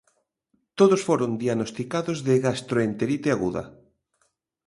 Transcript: Todos foron diagnosticados de gastroenterite aguda.